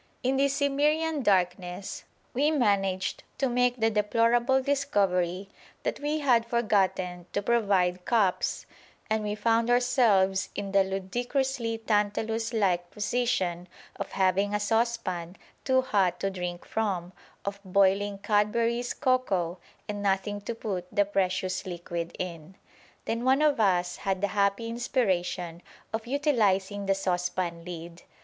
In this Cimmerian darkness we managed to make the deplorable discovery that we had forgotten to provide cups, and we found ourselves in the ludicrously Tantalus like position of having a saucepan, too hot to drink from, of boiling Cadbury's cocoa, and nothing to put the precious liquid in. Then one of us had the happy inspiration of utilising the saucepan lid.